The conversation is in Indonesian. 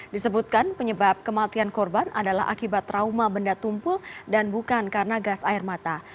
disebutkan penyebab kematian korban adalah akibat trauma benda tumpul dan bukan karena gas air mata